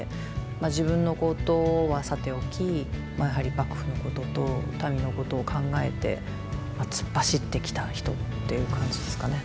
自分のことはさておきやはり幕府のことと民のことを考えて突っ走ってきた人っていう感じですかね。